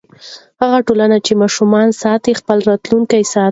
هغه ټولنه چې ماشوم ساتي، خپل راتلونکی ساتي.